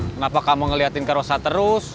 kenapa kamu ngeliatin ke rosa terus